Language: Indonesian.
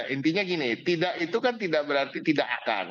intinya gini itu kan tidak berarti tidak akan